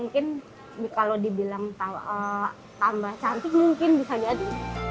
mungkin bisa jadi